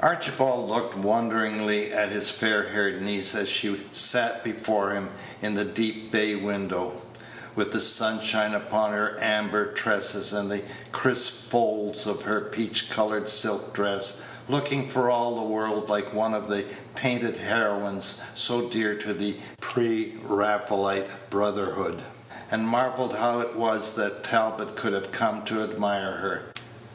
Archibald looked wonderingly at his fairhaired niece as she sat before him in the deep bay window, with the sunshine upon her amber tresses and the crisp folds of her peach colored silk dress, looking for all the world like one of the painted heroines so dear to the pre Raphaelite brotherhood, and marvelled how it was that Talbot could have Page 93 come to admire her.